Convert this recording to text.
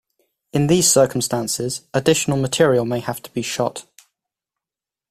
In these circumstances, additional material may have to be shot.